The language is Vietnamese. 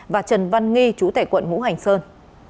và trần văn nghi chú tải quận hữu hành sơn